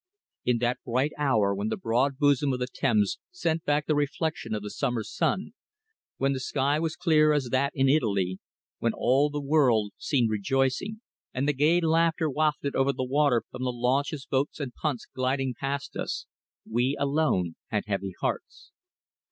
In that bright hour when the broad bosom of the Thames sent back the reflection of the summer sun, when the sky was clear as that in Italy, when all the world seemed rejoicing, and the gay laughter wafted over the water from the launches, boats and punts gliding past us, we alone had heavy hearts.